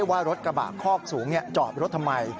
ว่ารถกระบะคอกสูงจอดรถทำไม